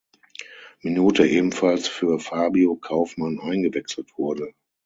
Minute ebenfalls für Fabio Kaufmann eingewechselt wurde.